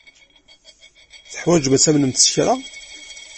Teḥwajem ad tamnem s kra.